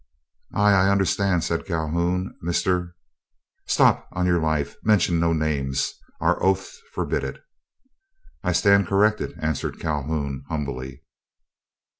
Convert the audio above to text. "Ah! I understand," said Calhoun. "Mr. —" "Stop; on your life mention no names! Our oaths forbid it." "I stand corrected," answered Calhoun, humbly.